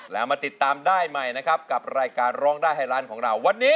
แล้วมาติดตามได้ใหม่นะครับกับรายการร้องได้ให้ร้านของเราวันนี้